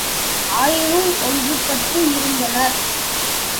ஆயினும் ஒன்றுபட்டு இருந்தனர்.